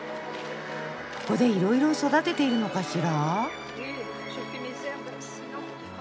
ここでいろいろ育てているのかしら？